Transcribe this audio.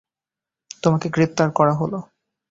তোমাকে গ্রেপ্তার করা হলো।